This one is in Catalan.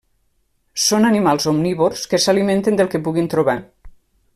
Són animals omnívors que s'alimenten del que puguin trobar.